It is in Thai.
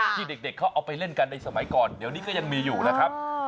ที่เด็กเขาเอาไปเล่นกันในสมัยก่อนเดี๋ยวนี้ก็ยังมีอยู่นะครับ